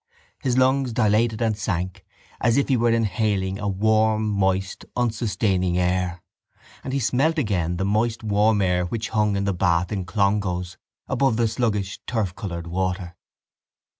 His lungs dilated and sank as if he were inhaling a warm moist unsustaining air and he smelt again the moist warm air which hung in the bath in Clongowes above the sluggish turfcoloured water.